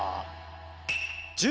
１０